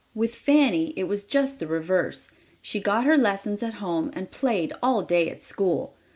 With Fanny it was just the reverse. She got her lessons at home and played all day at school!